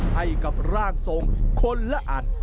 ให้กับร่างทรงคนละอัน